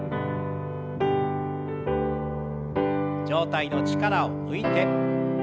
上体の力を抜いて。